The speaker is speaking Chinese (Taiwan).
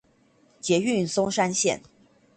捷運松山線